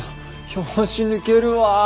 拍子抜けるわ。